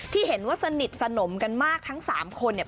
ที่เห็นว่าสนิทสนมกันมากทั้ง๓คนเนี่ย